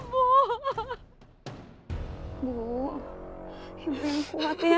ibu ibu yang kuat ya